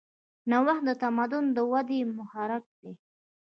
نوښت د تمدن د ودې محرک دی.